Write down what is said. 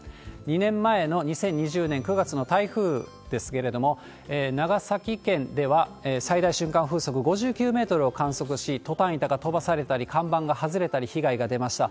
２年前の２０２０年９月の台風ですけれども、長崎県では最大瞬間風速５９メートルを観測し、トタン板が飛ばされたり、看板が外れたり、被害が出ました。